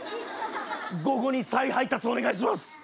午後に再配達お願いします。